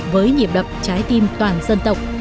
với nhịp đậm trái tim toàn dân tộc